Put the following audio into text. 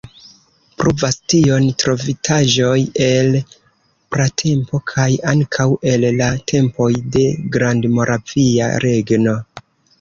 Pruvas tion trovitaĵoj el pratempo kaj ankaŭ el la tempoj de Grandmoravia regno.